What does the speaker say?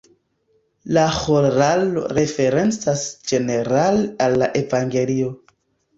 La ĥoralo referencas ĝenerale al la evangelio.